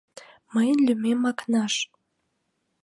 — Мыйын лӱмем Акнаш.